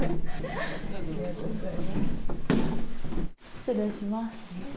失礼します。